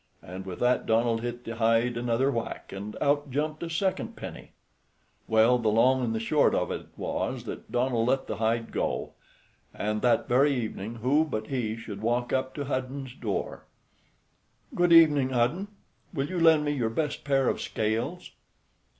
and with that Donald hit the hide another whack, and out jumped a second penny. Well, the long and the short of it was that Donald let the hide go, and, that very evening, who but he should walk up to Hudden's door? "Good evening, Hudden. Will you lend me your best pair of scales?"